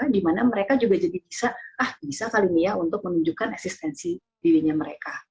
dimana mereka juga jadi bisa ah bisa kali nih ya untuk menunjukkan eksistensi dirinya mereka